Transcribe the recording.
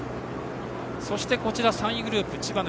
そして３位グループには千葉の